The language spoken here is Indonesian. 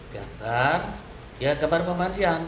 gambar ya gambar pemandian